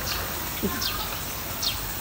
Tschüss!